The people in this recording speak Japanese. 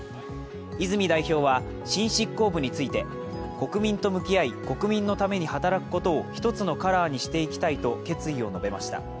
泉代表は新執行部について国民と向き合い、国民のために働くことを一つのカラーにしていきたいと決意を述べました。